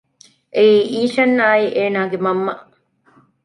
އެއީ އީޝަންއާއި އޭނަގެ މަންމަ